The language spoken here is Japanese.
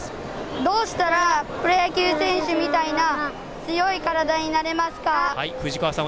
どうしたらプロ野球選手みたいな強い体になれますか？